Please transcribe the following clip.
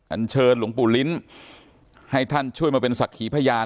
อันเชิญหลวงปู่ลิ้นให้ท่านช่วยมาเป็นศักดิ์ขีพยาน